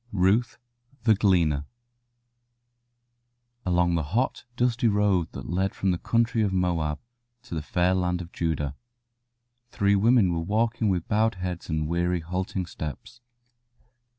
RUTH, THE GLEANER Along the hot, dusty road that led from the country of Moab to the fair land of Judah three women were walking with bowed heads and weary, halting steps.